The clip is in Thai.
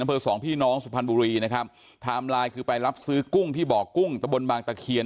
อำเภอสองพี่น้องสุพรรณบุรีนะครับไทม์ไลน์คือไปรับซื้อกุ้งที่บ่อกุ้งตะบนบางตะเคียน